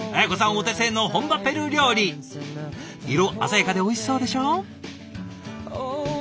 お手製の本場ペルー料理色鮮やかでおいしそうでしょ。